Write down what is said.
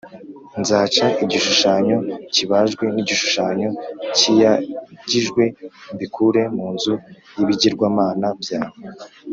nzaca igishushanyo kibajwe n’igishushanyo kiyagijwe mbikure mu nzu y’ibigirwamana byawe